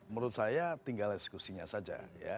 menurut saya tinggal diskusinya saja